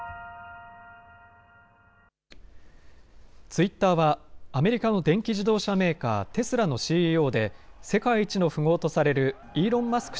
ツイッターはアメリカの電気自動車メーカー、テスラのＣＥＯで世界一の富豪とされるイーロン・マスク